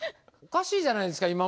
おかしいじゃないですか！